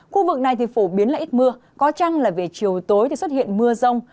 khu vực này phổ biến là ít mưa có chăng là về chiều tối xuất hiện mưa rông